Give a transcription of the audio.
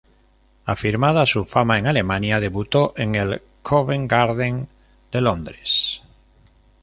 Afirmada su fama en Alemania debutó en el Covent Garden de Londres.